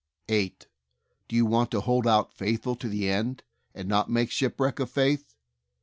8. Do you want to hold out faithful to the end, and not make shipwreck of faith?